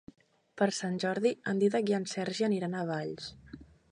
Per Sant Jordi en Dídac i en Sergi aniran a Valls.